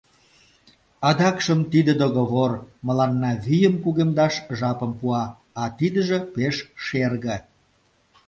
Адакшым тиде договор мыланна вийым кугемдаш жапым пуа, а тидыже — пеш шерге...